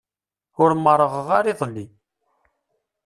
Ur merrɣeɣ ara iḍelli.